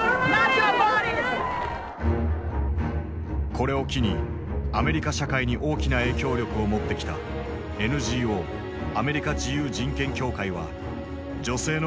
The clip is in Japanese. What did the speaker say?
これを機にアメリカ社会に大きな影響力を持ってきたＮＧＯアメリカ自由人権協会は女性の権利を守るプロジェクトを始動させた。